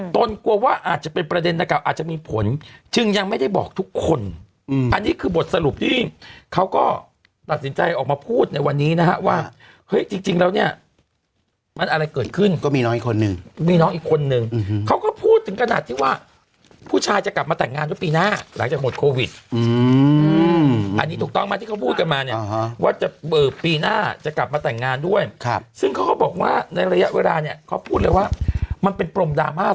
ต้นกลัวว่าอาจจะเป็นประเด็นนะครับอาจจะมีผลจึงยังไม่ได้บอกทุกคนอันนี้คือบทสรุปที่เขาก็ตัดสินใจออกมาพูดในวันนี้นะฮะว่าเฮ้ยจริงแล้วเนี่ยมันอะไรเกิดขึ้นก็มีน้องอีกคนนึงมีน้องอีกคนนึงเขาก็พูดถึงกระดาษที่ว่าผู้ชายจะกลับมาแต่งงานด้วยปีหน้าหลังจากหมดโควิดอันนี้ถูกต้องมาที่เขาพูด